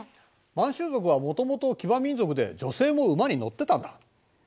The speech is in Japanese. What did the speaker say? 満州族はもともと騎馬民族で女性も馬に乗ってたんだ。